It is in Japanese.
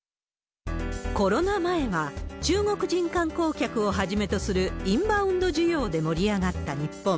コロナ前は、中国人観光客をはじめとするインバウンド需要で盛り上がった日本。